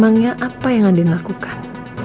memangnya apa yang anda lakukan